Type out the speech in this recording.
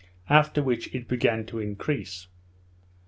after which it began to increase.